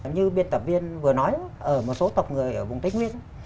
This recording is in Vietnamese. như biên tập viên vừa nói ở một số tộc người ở vùng tây nguyên